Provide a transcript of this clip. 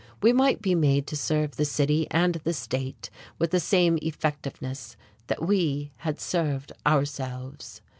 We might be made to serve the city and the state with the same effectiveness that we had served ourselves.